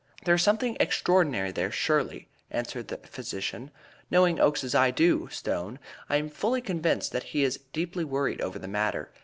"There is something extraordinary there, surely," answered the physician. "Knowing Oakes as I do, Stone, I am fully convinced that he is deeply worried over the matter.